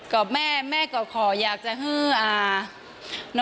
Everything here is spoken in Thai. กับแม่แม่ก็ขออยากจะฮืออา